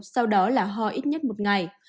sau đó là ho ít nhất một ngày